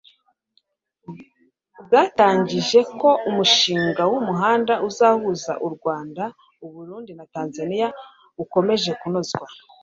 bwatangaje ko umushinga w'umuhanda uzahuza u rwanda, u burundi na tanzania ukomeje kunozwa